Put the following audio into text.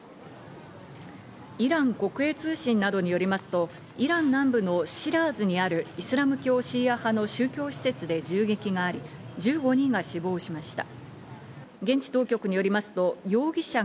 イラン国営通信などによりますと、イラン南部のシーラーズにあるイスラム教シーア派の宗教施設で銃撃があり、１５人が死亡しました。